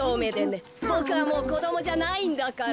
ボクはもうこどもじゃないんだから。